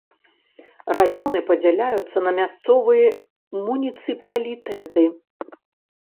Раёны падзяляюцца на мясцовыя муніцыпалітэты.